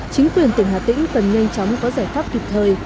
chính quyền tỉnh hà tĩnh cần nhanh chóng có giải pháp kịp thời